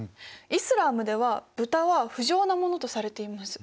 イスラームでは豚は不浄なものとされています。